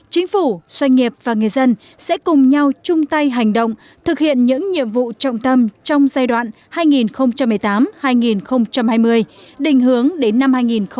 chính phủ doanh nghiệp và người dân sẽ cùng nhau chung tay hành động thực hiện những nhiệm vụ trọng tâm trong giai đoạn hai nghìn một mươi tám hai nghìn hai mươi đình hướng đến năm hai nghìn hai mươi